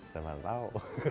saya mah nggak tahu